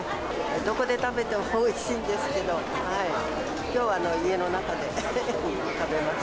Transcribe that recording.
どこで食べてもおいしいですけど、きょうは家の中で食べます。